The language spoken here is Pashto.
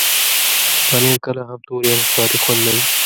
پنېر کله هم تور یا نسواري خوند لري.